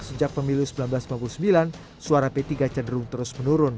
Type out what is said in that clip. sejak pemilu seribu sembilan ratus sembilan puluh sembilan suara p tiga cenderung terus menurun